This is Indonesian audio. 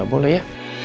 gak boleh ya